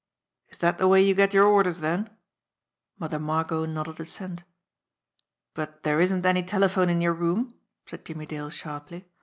"Is that the way you get your orders, then?" Mother Margot nodded assent. "But there isn't any telephone in your room," said Jimmie Dale sharply.